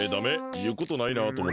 いうことないなあとおもって。